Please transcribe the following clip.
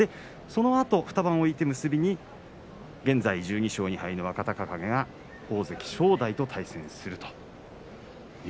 そのあと２番を置いて、結び現在１２勝２敗の若隆景が大関正代との対戦です。